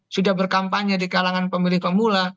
sudah berkampanye di kalangan pemilih pemula